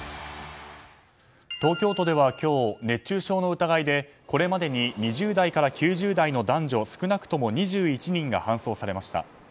東京都では今日熱中症の疑いでこれまでに２０代から９０代の男女少なくとも２１人が搬送されました。